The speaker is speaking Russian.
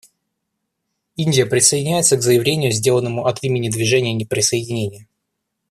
Индия присоединяется к заявлению, сделанному от имени Движения неприсоединения.